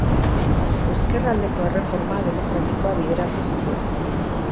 Ezkerraldeko erreforma demokratikoa bideratu zuen.